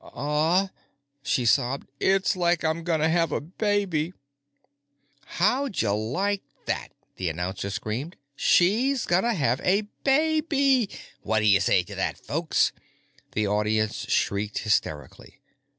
"Uh," she sobbed, "it's like I'm gonna have a baby." "Hoddya like that!" the announcer screamed. "She's gonna have a baby! Whaddya say to that, folks?" The audience shrieked hysterically.